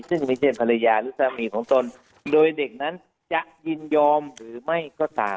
ซึ่งไม่ใช่ภรรยาหรือสามีของตนโดยเด็กนั้นจะยินยอมหรือไม่ก็ตาม